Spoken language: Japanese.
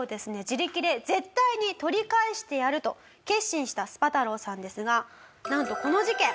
自力で絶対に取り返してやると決心したスパ太郎さんですがなんとこの事件。